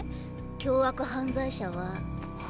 凶悪犯罪者は。